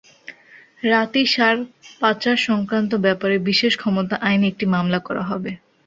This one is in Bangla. রাতেই সার পাচারসংক্রান্ত ব্যাপারে বিশেষ ক্ষমতা আইনে একটি মামলা করা হবে।